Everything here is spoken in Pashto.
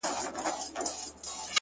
o گراني بس څو ورځي لاصبر وكړه ـ